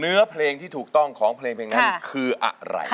เนื้อเพลงที่ถูกต้องของเพลงนั้นคืออะไร